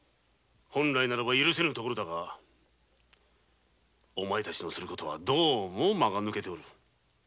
本来なら許せぬところだがお前たちのする事はどうもマが抜けておる。